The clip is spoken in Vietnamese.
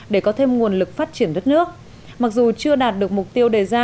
để có thêm nguồn lực phát triển đất nước mặc dù chưa đạt được mục tiêu đề ra